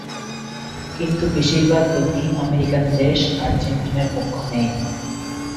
কিন্তু বেশির ভাগ দক্ষিণ আমেরিকান দেশ আর্জেন্টিনার পক্ষ নেয়।